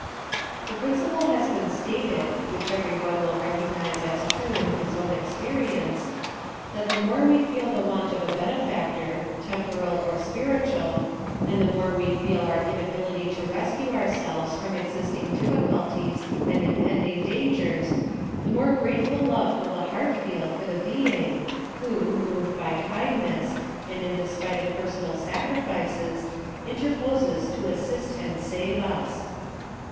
The principle has been stated, which every one will recognize as true in his own experience, that the more we feel the want of a benefector, temporal or spiritual, and the more we feel our inability to rescue ourselves from existing difficulties and im pending dangers, the more grateful love will the heart feel for the being, who, moved by kindness, and in despite of personal sacrifices, interposes to assist and save us.